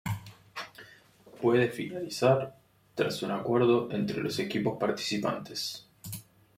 Puede finalizar tras un acuerdo entre los equipos participantes.